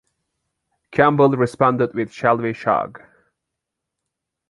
Campbell responded with Shall we Shog?